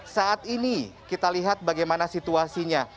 saat ini kita lihat bagaimana situasinya